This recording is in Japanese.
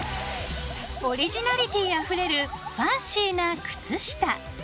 オリジナリティーあふれるファンシーな靴下。